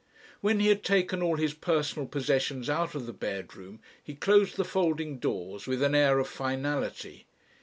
When he had taken all his personal possessions out of the bedroom, he closed the folding doors with an air of finality.